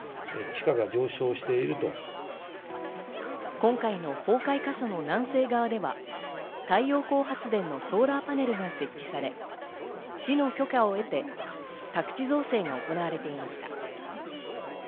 今回の崩壊箇所の南西側では太陽光発電のソーラーパネルが設置され、市の許可を得て、宅地造成が行われていました。